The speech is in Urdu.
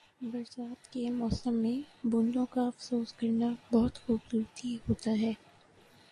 برسات کے موسم میں بوندوں کا افسوس کرنا بہت خوبصورتی ہوتا ہے۔